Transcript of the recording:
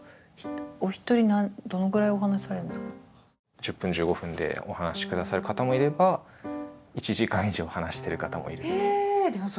１０分１５分でお話し下さる方もいれば１時間以上話してる方もいるっていう。